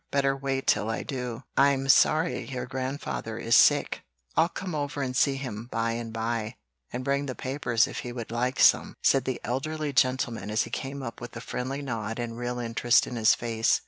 Better wait till I do." "I'm sorry your grandfather is sick. I'll come over and see him by and by, and bring the papers if he would like some," said the elderly gentleman as he came up with a friendly nod and real interest in his face.